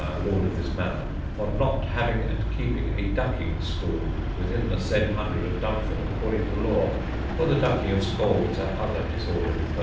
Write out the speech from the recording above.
Lord of this Mannor, for not having and keeping a Ducking Stool within the said Hundred of Dumford according to law, for the ducking of scolds and other disorderly persons."